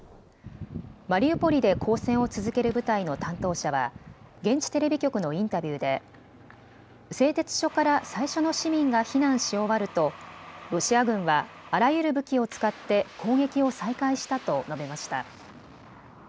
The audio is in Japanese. マリウポリで抗戦を続ける部隊の担当者は現地テレビ局のインタビューで製鉄所から最初の市民が避難し終わるとロシア軍はあらゆる武器を使って攻撃を再開したと述べました。